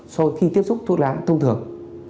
sau khi tiếp xúc thuốc lá thông thường